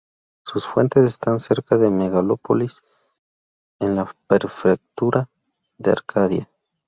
Sus fuentes están cerca de Megalópolis en la prefectura de Arcadia.